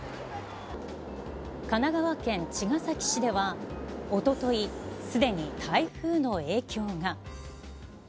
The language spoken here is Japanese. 神奈川県茅ヶ崎市では、おととい、すでに台風の影響が。